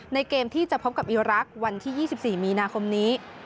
เกมที่จะพบกับอีรักษ์วันที่๒๔มีนาคมนี้